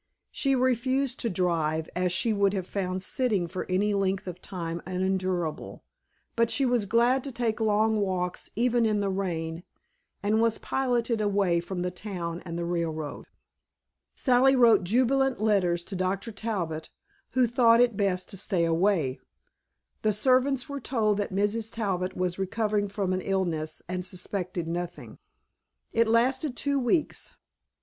She refused to drive, as she would have found sitting for any length of time unendurable, but she was glad to take long walks even in the rain and was piloted away from the town and the railroad. Sally wrote jubilant letters to Dr. Talbot, who thought it best to stay away. The servants were told that Mrs. Talbot was recovering from an illness and suspected nothing. It lasted two weeks.